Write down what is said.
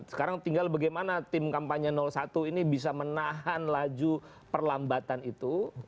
sekarang tinggal bagaimana tim kampanye satu ini bisa menahan laju perlambatan itu